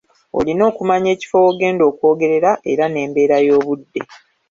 Olina okumanya ekifo w'ogenda okwogerera era n'embeera y'obudde.